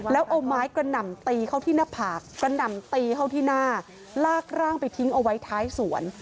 แล้วเอาไม้กระหน่ำตีเข้าที่หน้าผากกระหน่ำตีเข้าที่หน้าลากร่างไปทิ้งเอาไว้ท้ายสวน